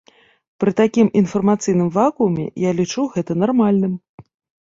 Пры такім інфармацыйным вакууме, я лічу гэта нармальным.